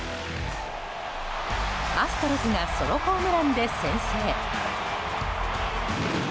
アストロズがソロホームランで先制。